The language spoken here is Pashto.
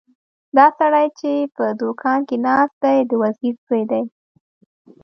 دا سړی چې په دوکان کې ناست دی د وزیر زوی دی.